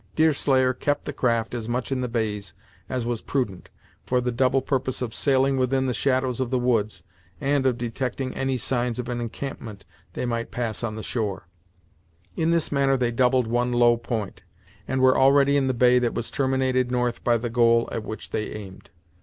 Deerslayer kept the craft as much in the bays as was prudent, for the double purpose of sailing within the shadows of the woods, and of detecting any signs of an encampment they might pass on the shore. In this manner they doubled one low point, and were already in the bay that was terminated north by the goal at which they aimed.